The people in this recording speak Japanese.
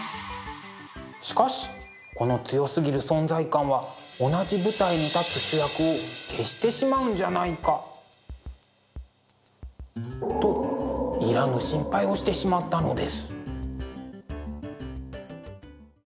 しかしこの強すぎる存在感は同じ舞台に立つ主役を消してしまうんじゃないか。といらぬ心配をしてしまったのです。